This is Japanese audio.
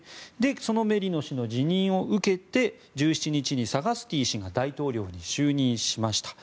そのメリノ氏の辞任を受けて１７日にサガスティ氏が大統領に就任しました。